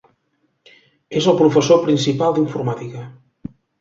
És el professor principal d'informàtica.